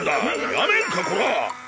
やめんかコラー。